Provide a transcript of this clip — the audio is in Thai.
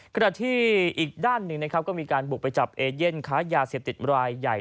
ขณะที่อีกด้านหนึ่งนะครับก็มีการบุกไปจับเอเย่นค้ายาเสพติดรายใหญ่